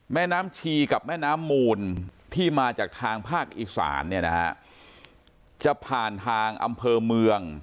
แม่น้ำชีกับแม่น้ำมูลที่มาจากทางภาคอีสานเนี่ยนะฮะจะผ่านทางอำเภอเมือง